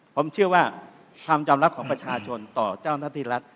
ผมเชื่อว่าความยอมรับของประชาชนต่อเจ้าหน้าที่รัฐ